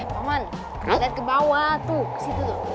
pemen liat ke bawah tuh